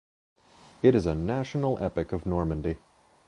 It is a national epic of Normandy.